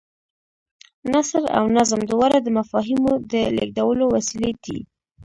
نثر او نظم دواړه د مفاهیمو د لېږدولو وسیلې دي.